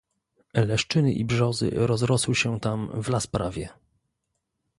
"Leszczyny i brzozy rozrosły się tam w las prawie."